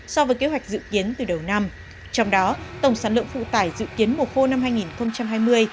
so với kế hoạch dự kiến từ đầu năm trong đó tổng sản lượng phụ tải dự kiến mùa khô năm hai nghìn hai mươi